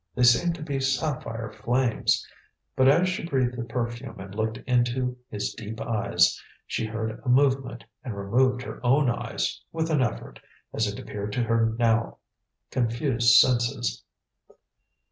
They seemed to be sapphire flames. But as she breathed the perfume and looked into his deep eyes, she heard a movement and removed her own eyes with an effort, as it appeared to her now confused senses.